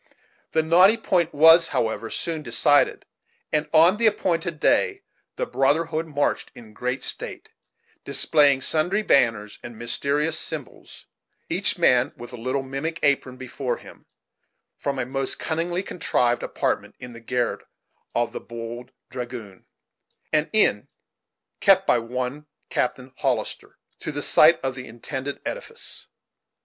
The knotty point was, however, soon decided; and, on the appointed day, the brotherhood marched in great state, displaying sundry banners and mysterious symbols, each man with a little mimic apron before him, from a most cunningly contrived apartment in the garret of the "Bold Dragoon," an inn kept by one Captain Hollister, to the site of the intended edifice.